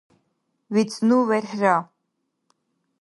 вецӀну верхӀра